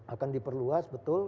akan diperluas betul